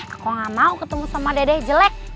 aku gak mau ketemu sama dede jelek